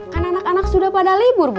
kan anak anak sudah pada libur bu